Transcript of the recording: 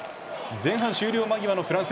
前半終了間際のフランス。